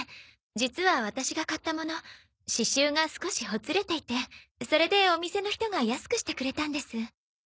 実はワタシが買ったもの刺繍が少しほつれていてそれでお店の人が安くしてくれたんです。